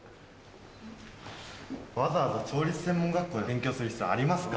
わざわざ調理師専門学校で勉強する必要ありますか？